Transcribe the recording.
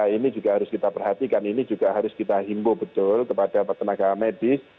ini juga harus kita perhatikan ini juga harus kita himbo betul kepada tenaga medis